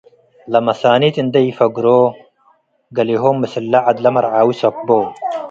ለመሳኒት እንዴ ኢልትፋገሮ ገሌሆም ምስል ዐድ ለመርዓ ዊ ሰክቦ ።